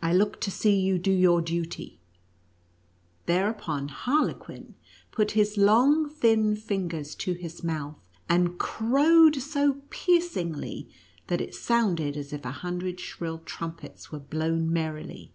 I look to see you do your duty." Thereupon Harlequin put his long, thin fingers to his mouth, ; and crowed so piercingly, that it sounded as if a hundred shrill trumpets were blown merrily.